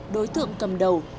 đối tượng cầm đầu